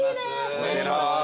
失礼します。